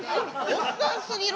おっさんすぎる？